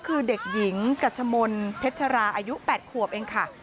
คือเด็กหญิงกัชมนต์เพชราอายุ๘ขวบเองค่ะ